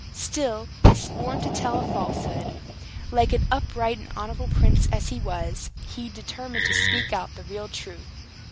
Still he scorned to tell a falsehood. Like an upright and honorable prince as he was, he determined to speak out the real truth.